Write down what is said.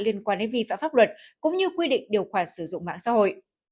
liên quan đến vi phạm pháp luật cũng như quy định điều khoản sử dụng mạng xã hội